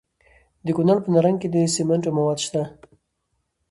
د کونړ په نرنګ کې د سمنټو مواد شته.